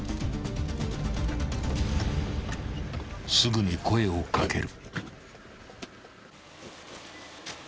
［すぐに声を掛ける］